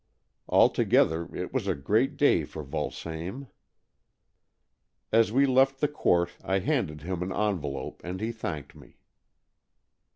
Altogether it was a great day for Vulsame. As we left the court, I handed him an envelope, and he thanked me.